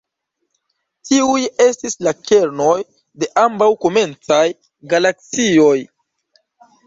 Tiuj estis la kernoj de ambaŭ komencaj galaksioj.